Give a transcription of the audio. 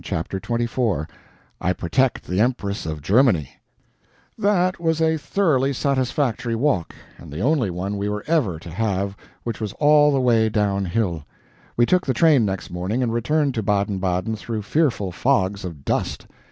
CHAPTER XXIV [I Protect the Empress of Germany] That was a thoroughly satisfactory walk and the only one we were ever to have which was all the way downhill. We took the train next morning and returned to Baden Baden through fearful fogs of dust.